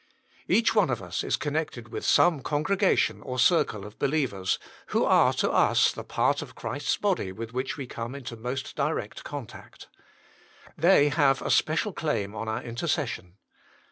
Each one of us is connected with some congregation or circle of believers, who are to us the part of Christ s body with which we come into most direct contact. They have a special claim on our intercession.